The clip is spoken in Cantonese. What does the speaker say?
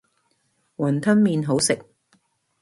雲吞麵好食